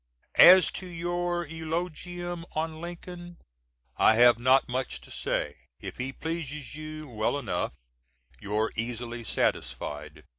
_" As to your Eulogium on Lincoln I have not much to say. If he pleases you, well enough, you're easily satisfied.